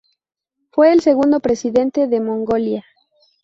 Fue el segundo presidente de Mongolia.